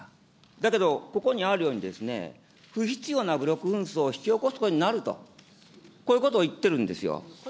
だけどここにあるように、不必要な武力紛争を引き起こすことになると、こういうことを言ってるんですよ。